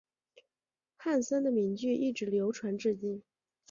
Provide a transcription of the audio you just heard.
汉森的名句一直流传至今。